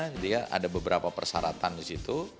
jadi ada beberapa persyaratan di situ